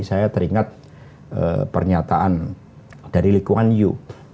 saya teringat pernyataan dari lee kuan yew